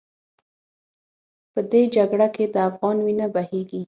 په دې جګړه کې د افغان وینه بهېږي.